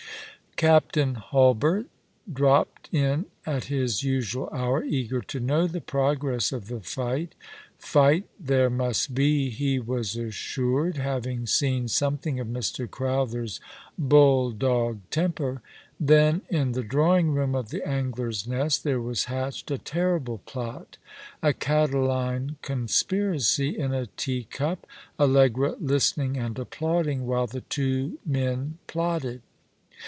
Captain Hulbert dropped in at his usual hour, eager to know the progress of the fight. Fight there must be, he was assured, having seen something of Mr. Crowther's bull dog temper. Then, in the drawing room of the Angler's Nest, there was hatched a terrible plot— a Catiline con spiracy in a tea cup— Allegra listening and applauding while the two men plotted.